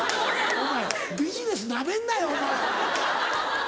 お前ビジネスナメんなよお前！